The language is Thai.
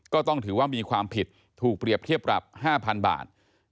ก็ต้องถือว่ามีความผิดถูกเปรียบเทียบปรับ๕๐๐๐บาท